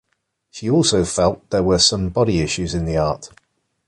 She also felt there were some body issues in the art.